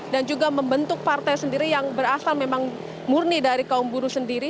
dan juga membentuk partai sendiri yang berasal memang murni dari kaum buruh sendiri